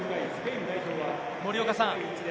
森岡さん。